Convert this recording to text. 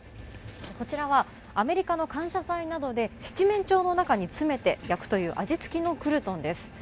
こちらはアメリカの感謝祭などで七面鳥につめて焼くという味つきのクルトンです